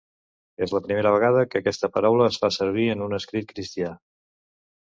És la primera vegada que aquesta paraula es fa servir en un escrit cristià.